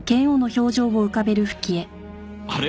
あれ？